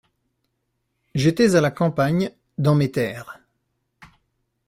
J’étais à la campagne, Dans mes terres…